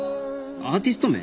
アーティスト名？